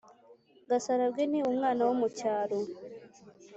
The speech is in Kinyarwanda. gasarabwe ni umwana wo mu cyaro.